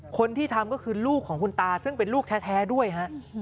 คนที่ทำก็คือลูกของคุณตาซึ่งเป็นลูกแท้ด้วยฮะ